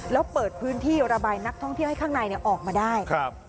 แล้วเปิดพื้นที่ระบายนักท่องเที่ยวให้ข้างในออกมาได้